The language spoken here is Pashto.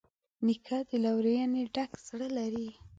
نیکه د لورینې ډک زړه لري.